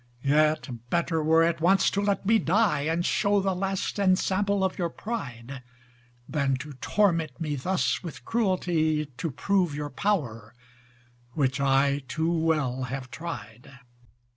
Yet better were at once to let me die, And show the last ensample of your pride: Than to torment me thus with cruelty, To prove your power, which I too well have tried.